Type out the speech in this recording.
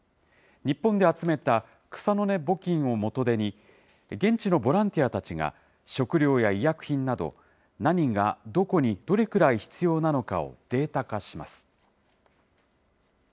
日本で集めた草の根募金を元手に、現地のボランティアたちが、食料や医薬品など、何がどこにどれくらい必要なのかをデータ化します。